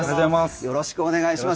よろしくお願いします。